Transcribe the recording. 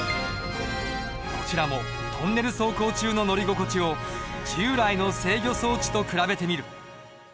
こちらもトンネル走行中の乗り心地を従来の制御装置と比べてみる。